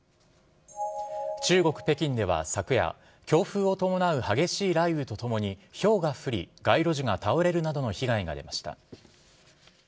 中国・北京では昨夜、強風を伴う激しい雷雨とともに、ひょうが降り、街路樹が倒れるなどの被害が出ました。